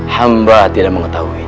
hamba tidak mengetahui